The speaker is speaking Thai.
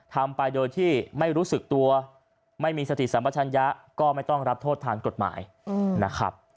ทำไปโดยที่ไม่รู้สึกตัวไม่มีสติสัมปชัญญะก็ไม่ต้องรับโทษทางกฎหมายนะครับ